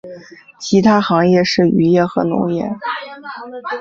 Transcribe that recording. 其它的行业是渔业和农业。